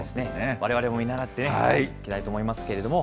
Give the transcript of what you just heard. われわれも見習っていきたいと思いますけれども。